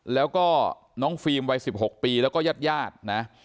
แล้วก็น้องฟิล์มวัย๑๖ปีแล้วก็ญาติญาตินะ